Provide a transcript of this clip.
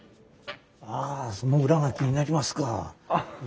あその裏が気になりますか？